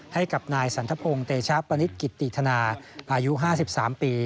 ให้กับนายสันทพงศ์เตชะปณิตกิติธนาอายุ๕๓ปี